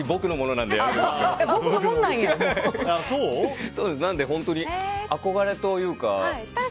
なので、本当に憧れというか。